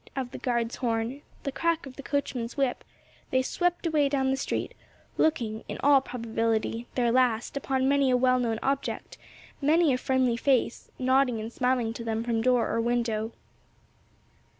of the guard's horn, the crack of the coachman's whip, they swept away down the street, looking, in all probability, their last upon many a well known object, many a friendly face, nodding and smiling to them from door or window.